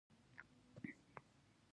د وطن مین ماشومان به سبا مشران وي.